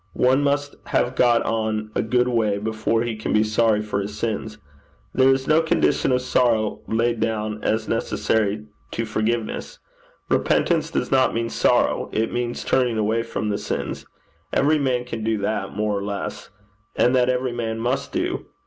One must have got on a good way before he can be sorry for his sins. There is no condition of sorrow laid down as necessary to forgiveness. Repentance does not mean sorrow: it means turning away from the sins. Every man can do that, more or less. And that every man must do.